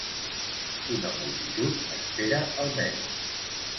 Una multitud espera el metro.